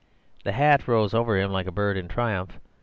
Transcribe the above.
The hat rose over him like a bird in triumph.